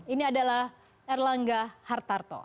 ini adalah erlangga hartarto